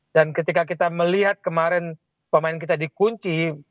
dan ketika kita melihat kemarin pemain kita dikunci